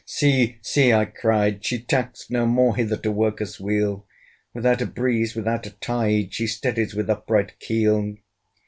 See! see! (I cried) she tacks no more! Hither to work us weal; Without a breeze, without a tide, She steadies with upright keel!